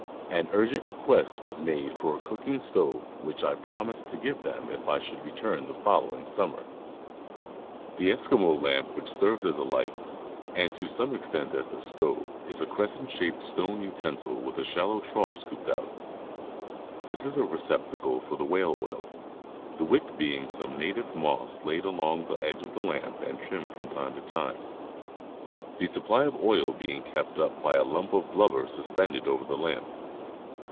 An urgent request was made for a cooking stove, which I promised to give them if I should return the following summer. _ The Eskimo lamp which serves as a light, and to some extent as a stove, is a crescent shaped stone utensil with a shallow trough scooped out; this is a receptacle for the whale oil, the wick being some native moss laid along the edge of the lamp and trimmed from time to time, the supply of oil being kept up by a lump of blubber suspended over the lamp.